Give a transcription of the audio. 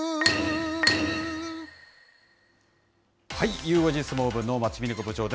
ゆう５時相撲部の能町みね子部長です。